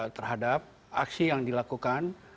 terhadap aksi yang dilakukan